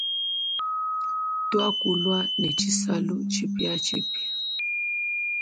Tuakulwa ne tshisalu tshipiatshipia.